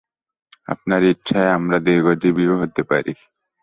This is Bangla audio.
আপনার ইচ্ছায় আমরা দীর্ঘজীবীও হইতে পারি।